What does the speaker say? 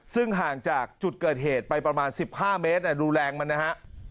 ซึ่งห่างจากจุดเกิดเหตุไปประมาณ๑๕เมตรดูแรงมันนะฮะ